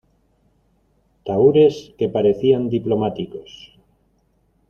tahúres que parecían diplomáticos